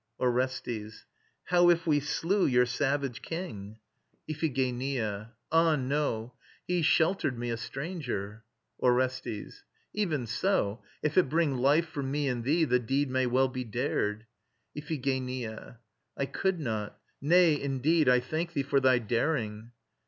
ORESTES. How if we slew your savage king? IPHIGENIA. Ah, no: He sheltered me, a stranger. ORESTES. Even so, If it bring life for me and thee, the deed May well be dared. IPHIGENIA. I could not ... Nay; indeed I thank thee for thy daring.